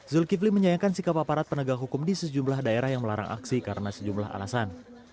zulkifli menyayangkan sikap aparat penegak hukum di sejumlah daerah yang melarang aksi karena sejumlah alasan